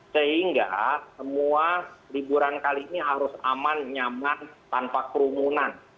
sehingga semua liburan kali ini harus aman nyaman tanpa kerumunan